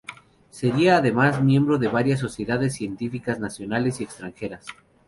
Sería además miembro de varias sociedades científicas nacionales y extranjeras.